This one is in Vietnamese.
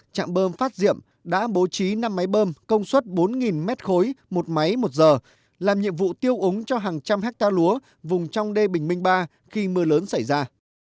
trạm bơm phát diệm đã bố trí năm máy bơm công suất bốn mét khối một máy một giờ làm nhiệm vụ tiêu ống cho hàng trăm hectare lúa vùng trong đê bình minh ba khi mưa lớn xảy ra